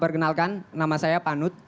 perkenalkan nama saya panut